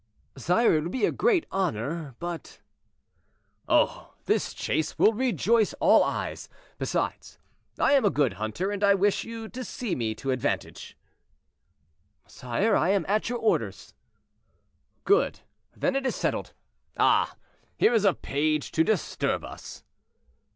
"Sire, it would be a great honor, but—" "Oh! this chase will rejoice all eyes; besides, I am a good hunter, and I wish you to see me to advantage." "Sire, I am at your orders." "Good! then it is settled. Ah! here is a page to disturb us."